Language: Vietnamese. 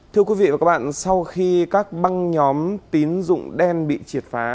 thưa quý vị và các bạn sau khi các băng nhóm tín dụng đen bị triệt phá